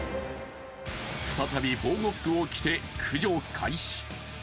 再び防護服を着て、駆除開始。